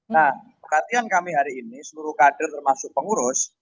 nah perhatian kami hari ini seluruh kader termasuk pengurus